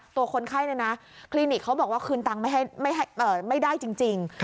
คนไข้เนี่ยนะคลินิกเขาบอกว่าคืนตังค์ไม่ได้จริง